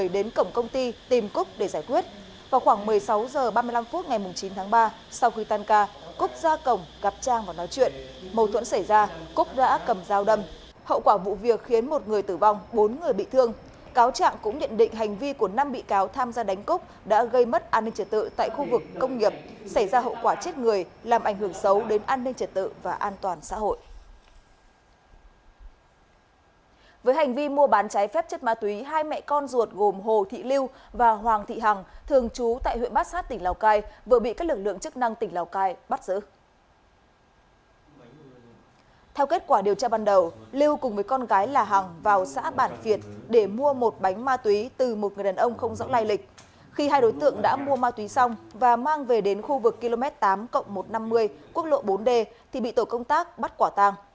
đối tượng đã mua ma túy xong và mang về đến khu vực km tám một trăm năm mươi quốc lộ bốn d thì bị tổ công tác bắt quả tàng